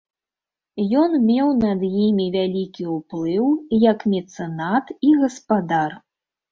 Ён меў над імі вялікі ўплыў, як мецэнат і гаспадар.